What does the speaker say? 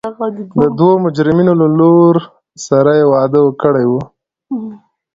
د دوو مجرمینو له لور سره یې واده کړی و.